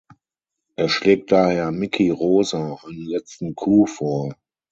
Er schlägt daher Micky Rosa einen letzten Coup vor.